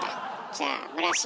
じゃあ村重。